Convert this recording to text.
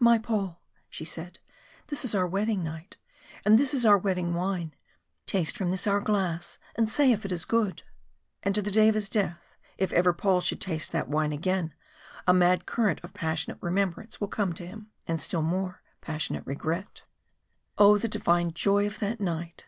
"My Paul," she said, "this is our wedding might, and this is our wedding wine. Taste from this our glass and say if it is good." And to the day of his death, if ever Paul should taste that wine again, a mad current of passionate remembrance will come to him and still more passionate regret. Oh! the divine joy of that night!